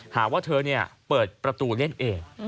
หาว่าเธอเปิดประตูเล่นเอง